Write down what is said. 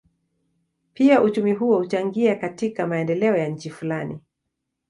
Pia uchumi huo huchangia katika maendeleo ya nchi fulani.